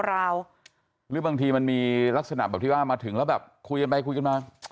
ราวหรือบางทีมันมีลักษณะแบบที่ว่ามาถึงแล้วแบบคุยกันไปคุยกันมา